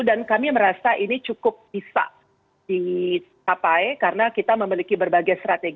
dan kami merasa ini cukup bisa ditapai karena kita memiliki berbagai strategi